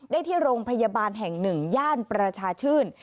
ได้ที่โรงพยาบาลแห่ง๑ย่านประชาชื่น